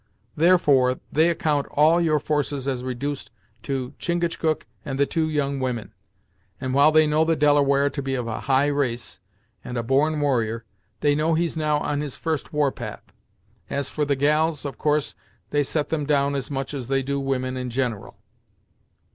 Therefore, they account all your forces as reduced to Chingachgook and the two young women, and, while they know the Delaware to be of a high race, and a born warrior, they know he's now on his first war path. As for the gals, of course they set them down much as they do women in gin'ral."